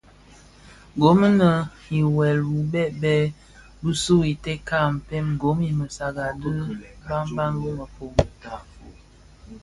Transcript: Gom i wuel u bèbèn bisu u teka a mpën gom I mësaga dhi mgbagban wu mefom.